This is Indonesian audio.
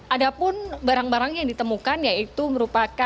ada pun barang barang yang ditemukan yaitu merupakan